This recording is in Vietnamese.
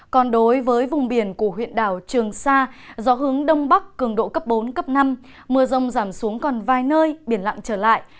còn đối với vùng biển của huyện đảo trường sa gió hướng đông bắc cường độ cấp bốn cấp năm mưa rông giảm xuống còn vài nơi biển lặng trở lại